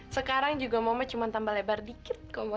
sekarang juga mama cuma tambah lebar dikit kok ma